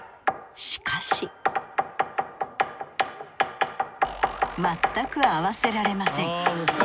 しかしまったく合わせられません。